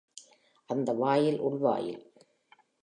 அந்த வாயில் உள்வாயில்.